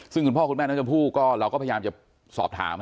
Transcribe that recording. ซึ่งคุณพ่อคุณแม่น้องชมพู่ก็เราก็พยายามจะสอบถาม